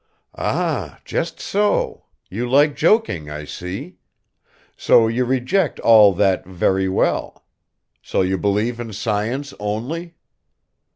"Ah, just so; you like joking, I see. So you reject all that Very well. So you believe in science only?"